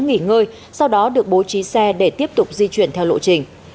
nghỉ ngơi sau đó được bố trí xe để tiếp tục di chuyển theo lộ trình